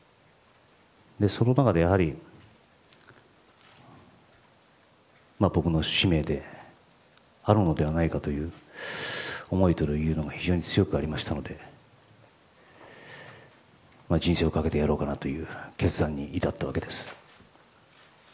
その中でやはり僕の使命であるのではないかという思いというのが非常に強くありましたので人生をかけてやろうかなという決断に至ったわけです。